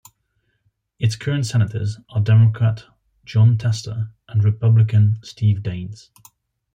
Its current senators are Democrat Jon Tester and Republican Steve Daines.